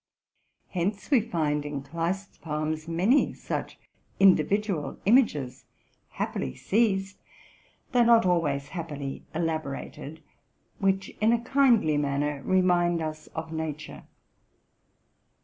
Hence we find in Kleist's poems many such individual images, happily seized, although not always happily elaborated, which, in a kindly manner, remind us of nature.